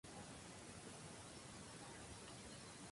El campo se encuentra en el municipio soriano de Almazán.